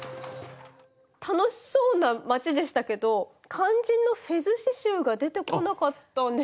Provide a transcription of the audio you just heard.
楽しそうな街でしたけど肝心のフェズ刺しゅうが出てこなかったんですけど。